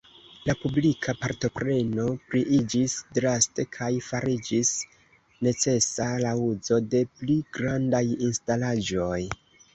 La publika partopreno pliiĝis draste kaj fariĝis necesa la uzo de pli grandaj instalaĵoj.